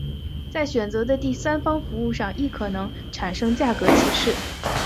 在选择的第三方服务上亦可能产生价格歧视。